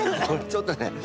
ちょっとね。